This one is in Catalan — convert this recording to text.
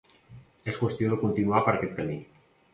És qüestió de continuar per aquest camí.